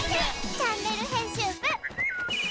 チャンネル編集部。